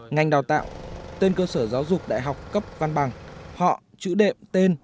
ngành đào tạo tên cơ sở giáo dục đại học cấp văn bằng họ chữ đệm tên